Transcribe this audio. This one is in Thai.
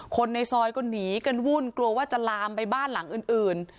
คนในซอยก็หนีกันวุ่นกลัวว่าจะลามไปบ้านหลังอื่น